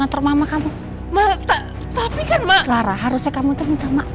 yaudah kamu pergi sana